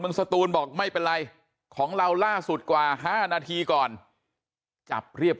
สตูนบอกไม่เป็นไรของเราล่าสุดกว่า๕นาทีก่อนจับเรียบ